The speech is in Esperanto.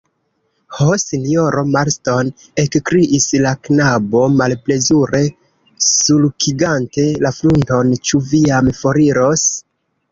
Ho, sinjoro Marston, ekkriis la knabo, malplezure sulkigante la frunton, ĉu vi jam foriros?